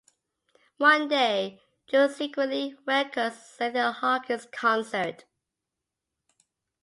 One day, Jules secretly records a Cynthia Hawkins concert.